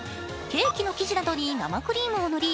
ケーキの生地などに生クリームを塗り